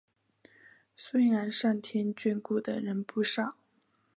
虽然上天眷顾的人不少